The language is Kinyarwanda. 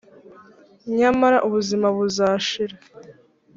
Nyamara ubuzima buzashira